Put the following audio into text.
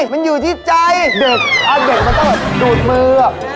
เด็กอ้าวเด็กมันต้องดูดมือ